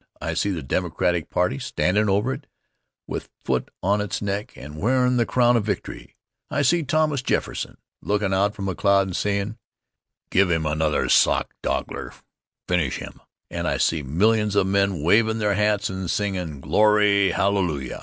I see the Democratic party standin' over it with foot on its neck and wearin' the crown of victory. I see Thomas Jefferson lookin' out from a cloud and sayin': "Give him another sockdologer; finish him"' And I see millions of men wavin' their hats and singin' "Glory Hallelujah!"